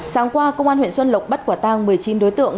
sáng qua công an huyện xuân lộc bắt quả tang một mươi chín đối tượng